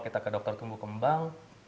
kita ke dokter tumbuh kembang